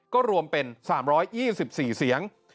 ก็รวมเป็น๓๒๔เสียง